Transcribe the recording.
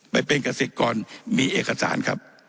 ไปเป็นเกษตรกรมีเอกสารครับ